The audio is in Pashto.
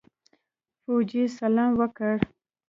فوجي سلام وکړ.